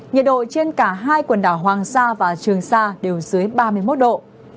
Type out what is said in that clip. nhiệt độ trên cả hai quần đảo hoàng sa và trường sa đều dưới ba mươi một độ